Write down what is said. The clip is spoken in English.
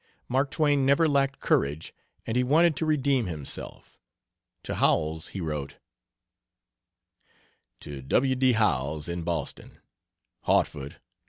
Mark Twain never lacked courage and he wanted to redeem himself. To Howells he wrote: To W. D. Howells, in Boston: HARTFORD, Nov.